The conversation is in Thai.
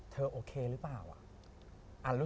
เธอโอเครึเปล่า